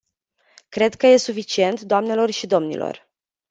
Cred că e suficient, doamnelor și domnilor.